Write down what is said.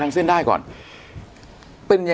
อันดับสุดท้าย